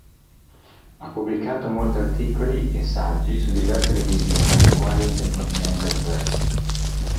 Ha pubblicato molti articoli e saggi su diverse riviste tra le quali Intercontinental Press.